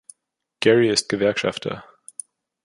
Gerry ist Gewerkschafter.